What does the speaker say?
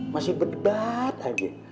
masih berdebat lagi